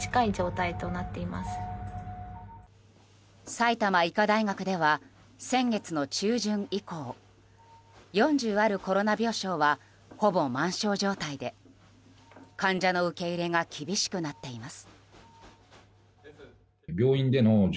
埼玉医科大学では先月の中旬以降４０あるコロナ病床はほぼ満床状態で患者の受け入れが厳しくなっています。